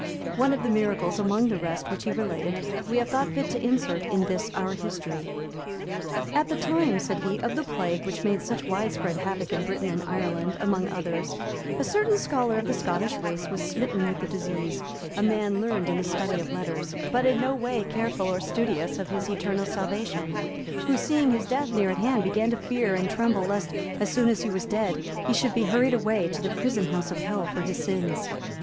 One of the miracles, among the rest, which he related, we have thought fit to insert in this our history. "At the time," said he, "of the plague which made such widespread havoc in Britain and Ireland, among others, a certain scholar of the Scottish race was smitten with the disease, a man learned in the study of letters, but in no way careful or studious of his eternal salvation; who, seeing his death near at hand, began to fear and tremble lest, as soon as he was dead, he should be hurried away to the prison house of Hell for his sins.